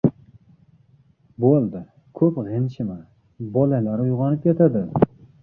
— Bo‘ldi, ko‘p g‘ingshima, bolalar uyg‘onib ketadi.